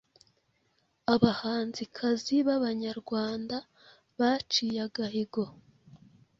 Abahanzikazi b’abanyarwanda baciye agahigo